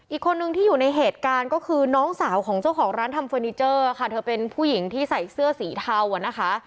อีกคนนึงที่อยู่ในเหตุการณ์ก็คือน้องสาวของเจ้าของร้านทำเฟอร์นิเจอร์ค่ะเธอเป็นผู้หญิงที่ใส่เสื้อสีเทาอ่ะนะคะ